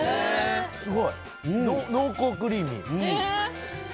すごい！濃厚クリーミー。